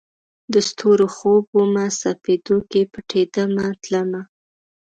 د ستورو خوب ومه، سپیدو کې پټېدمه تلمه